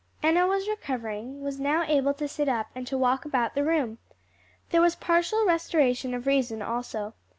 Enna was recovering; was now able to sit up and to walk about the room. There was partial restoration of reason also.